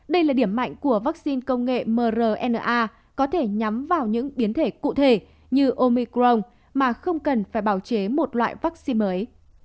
đây là điểm mạnh của vaccine công nghệ mrna có thể nhắm vào những biến thể cụ thể như omicron mà không cần phải bào chế một loại vaccine mới